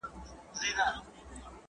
چاته واړه او چاته لوی کارونه ورسیږي